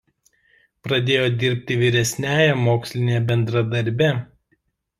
Pradėjo dirbti vyresniąja moksline bendradarbe.